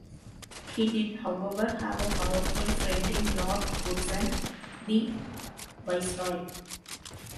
He did, however, have a powerful friend in Lord Curzon the Viceroy.